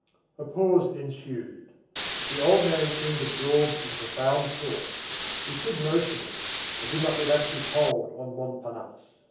A pause ensued. The old man seemed absorbed in profound thought. He stood motionless, and did not relax his hold on Montparnasse.